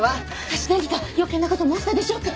私何か余計なこと申したでしょうか！？